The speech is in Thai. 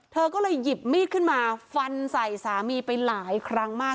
เธอก็เลยหยิบมีดขึ้นมาฟันใส่สามีไปหลายครั้งมาก